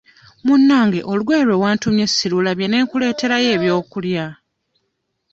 Munnange olugoye lwe wantumye sirulabye ne nkuleeterayo ebyokulya.